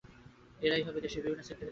এরাই হবে দেশের বিভিন্ন সেক্টরের কান্ডারি।